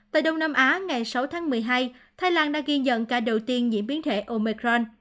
tại đông nam á ngày sáu tháng một mươi hai thái lan đã ghi nhận ca đầu tiên nhiễm biến thể omecron